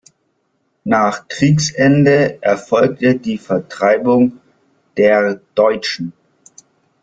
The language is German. Nach Kriegsende erfolgte die Vertreibung der Deutschen.